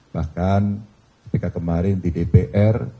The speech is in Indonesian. bahkan ketika kemarin di dpr